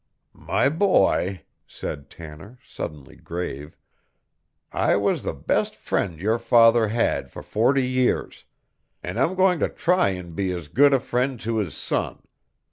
"My boy," said Tanner, suddenly grave, "I was the best friend your father had for forty years, and I'm goin' to try and be as good a friend to his son.